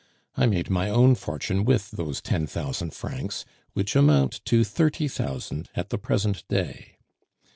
I made my own fortune with those ten thousand francs, which amount to thirty thousand at the present day.